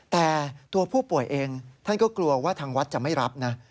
แต่ตัวผู้ป่วยเองท่านก็กลัวว่าทางวัดจะไม่รับนะ